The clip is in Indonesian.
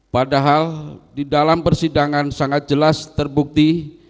padahal di dalam persidangan sangat jelas terbukti